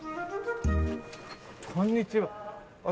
こんにちは私